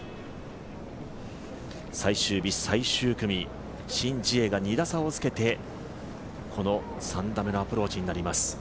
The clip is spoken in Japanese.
最終日、最終組、シン・ジエが２打差をつけてこの３打目のアプローチになります